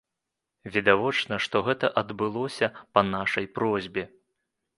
Відавочна, што гэта адбылося па нашай просьбе.